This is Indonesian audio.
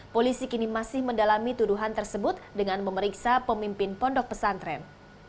polisi kini masih mendalami tuduhan tersebut dengan memeriksa pemimpin pondok pesantren